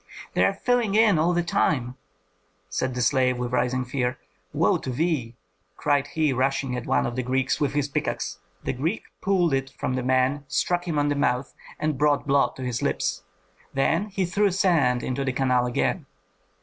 "They are filling in all the time!" said the slave, with rising fear. "Woe to thee!" cried he, rushing at one of the Greeks with his pickaxe. The Greek pulled it from the man, struck him on the mouth, and brought blood to his lips; then he threw sand into the canal again.